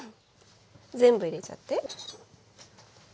全部入れちゃって。